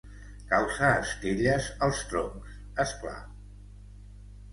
Causa estelles als troncs, esclar.